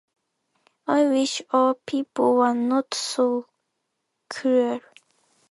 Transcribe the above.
I wish our people were not so cruel.